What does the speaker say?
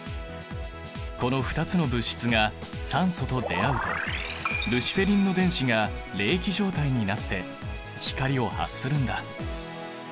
この２つの物質が酸素と出会うとルシフェリンの電子が励起状態になって光を発するんだ。